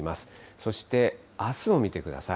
そしてあすを見てください。